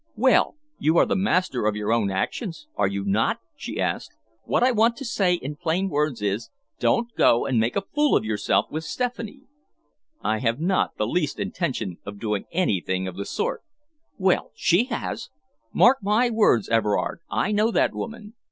"Well, you are the master of your own actions, are you not?" she asked. "What I want to say in plain words is, don't go and make a fool of yourself with Stephanie." "I have not the least intention of doing anything of the sort." "Well, she has! Mark my words, Everard, I know that woman.